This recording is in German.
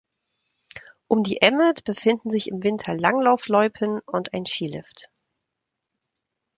Um die Emmet befinden sich im Winter Langlaufloipen und ein Skilift.